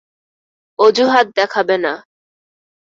অযুহাত দেখাবে না।